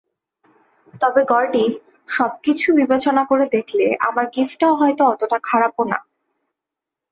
তবে গর্ডি, সবকিছু বিবেচনা করে দেখলে, আমার গিফটটা হয়ত অতটা খারাপও না।